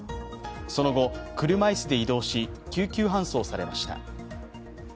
その後、車椅子で移動し、救急搬送されました。